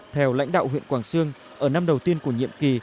theo lãnh đạo huyện quảng sương ở năm đầu tiên của nhiệm kỳ